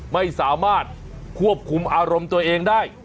ไม่สามารถควบคุมอารมณ์ตัวเองได้